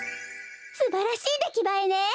すばらしいできばえね！